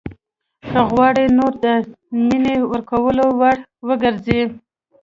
که غواړئ نورو ته د مینې ورکولو وړ وګرځئ.